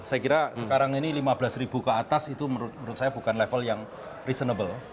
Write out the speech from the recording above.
saya kira sekarang ini lima belas ribu ke atas itu menurut saya bukan level yang reasonable